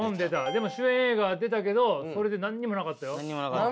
でも主演映画は出たけどそれで何にもなかったよ。